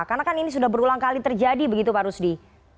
karena kan ini sudah berulang kali terjadi begitu pak rusdi